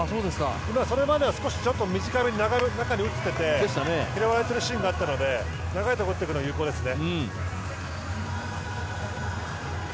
それまではちょっと短めに中に打ってて拾われているシーンがあったので長いところを打っていくの有効ですね。